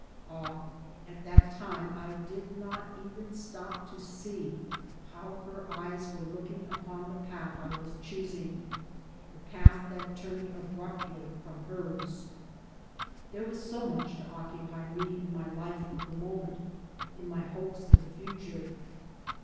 Ah, at that time I did not even stop to see how her eyes were looking upon the path I was choosing, the path that turned abruptly from hers. There was so much to occupy me in my life of the moment, in my hopes of the future.